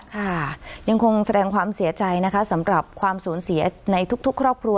ค่ะยังคงแสดงความเสียใจนะคะสำหรับความสูญเสียในทุกครอบครัว